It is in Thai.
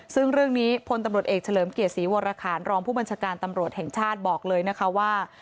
ซึ่งเรื่องนี้พลตำรวจเอกเฉลิมเกียรติศรีวรคารรองผู้บัญชาการตำรวจแห่งชาติบอกเลยนะคะว่า